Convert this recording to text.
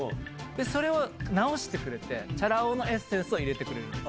それを直してくれて、チャラ男のエッセンスを入れてくれるんです。